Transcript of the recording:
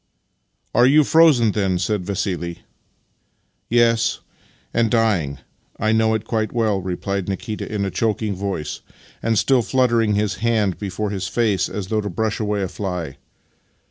" Are you frozen, then? " said Vassili. " Yes — and dying; I know it quite well," replied Nikita in a choking voic j, and still fluttering his hand before his face as thounh to brush away a fly.